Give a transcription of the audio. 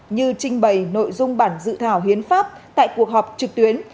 như trình bày nội dung bản dự thảo hiến pháp tại cuộc họp trực tuyến